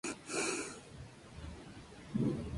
Sin embargo, dichas acusaciones fueron desestimadas.